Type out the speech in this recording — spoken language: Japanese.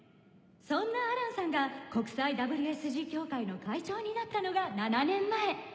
そんなアランさんが国際ＷＳＧ協会の会長になったのが７年前。